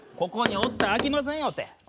ここにおったらあきませんよって。